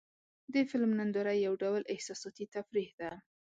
د فلم ننداره یو ډول احساساتي تفریح ده.